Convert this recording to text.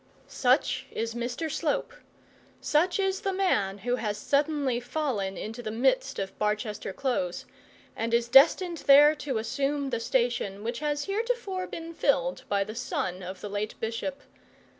Such is Mr Slope such is the man who has suddenly fallen into the midst of Barchester Close, and is destined there to assume the station which has heretofore been filled by the son of the late bishop.